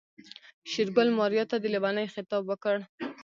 شېرګل ماريا ته د ليونۍ خطاب وکړ.